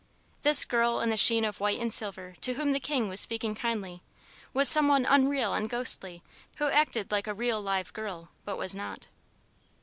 This girl in the sheen of white and silver to whom the King was speaking kindly, was some one unreal and ghostly who acted like a real live girl, but was not.